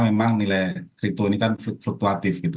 memang nilai crypto ini kan fluktuatif gitu